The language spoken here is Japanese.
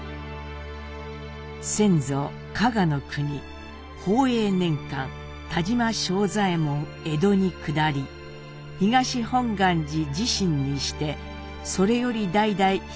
「先祖加賀国宝永年間田島庄左衛門江戸に下り東本願寺侍臣にしてそれより代々東本願寺に仕え」。